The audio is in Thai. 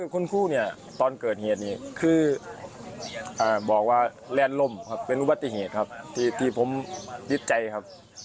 คุณคู่เนี่ยตอนเกิดเหตุนี้คือบอกว่า